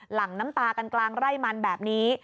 หลังน้ำตากันกลางไร่มันแบบนี้